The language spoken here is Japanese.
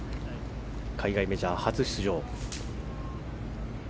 海外メジャー初出場。